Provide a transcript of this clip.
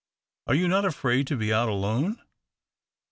" Are you not afraid to be out alone